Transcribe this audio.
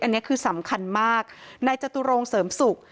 อันนี้คือสำคัญมากนายจตุรงเสริมสุข